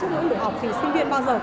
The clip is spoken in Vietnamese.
trước mỗi buổi học thì sinh viên bao giờ